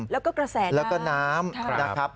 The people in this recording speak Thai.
แล้วก็กระแสแล้วก็น้ำนะครับ